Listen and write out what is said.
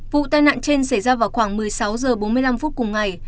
vụ tai nạn trên xảy ra vào khoảng một mươi sáu h bốn mươi năm phút cùng ngày